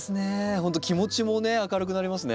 ほんと気持ちもね明るくなりますね。